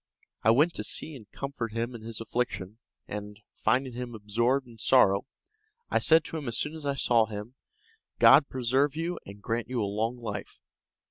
I went to see and comfort him in his affliction, and, finding him absorbed in sorrow, I said to him as soon as I saw him, "God preserve you and grant you a long life."